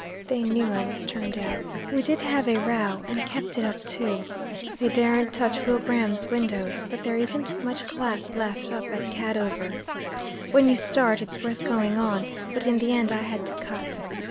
They knew I was turned out. We did have a row, and kept it up too. They daren't touch Wilbraham's windows, but there isn't much glass left up at Cadover. When you start, it's worth going on, but in the end I had to cut.